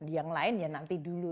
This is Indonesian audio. yang lain ya nanti dulu